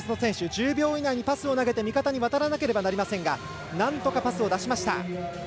１０秒以内にパスを投げて味方に渡らなければなりませんがなんとかパスを出しました。